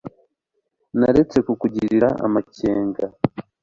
naretse kukugirira amakenga